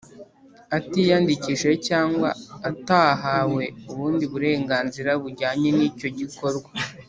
atiyandikishije cyangwa atahawe ubundi burenganzira bujyanye n’icyo gikorwa;